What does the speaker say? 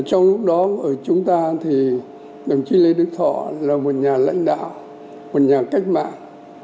trong lúc đó ở chúng ta thì đồng chí lê đức thọ là một nhà lãnh đạo một nhà cách mạng